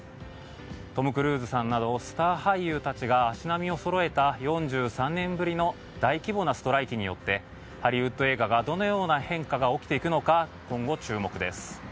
トム・クルーズさんなどスター俳優たちが足並みをそろえた４３年ぶりの大規模なストライキによってハリウッド映画にどのような変化が起きていくのか今後、注目です。